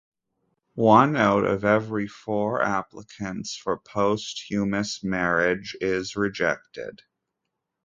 One out of every four applicants for posthumous marriage is rejected.